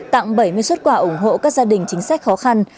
tặng bảy mươi xuất quà ủng hộ các gia đình chính sách khó khăn